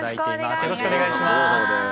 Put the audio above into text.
よろしくお願いします。